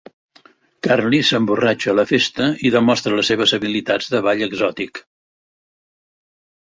Carly s'emborratxa a la festa i demostra les seves habilitats de ball exòtic.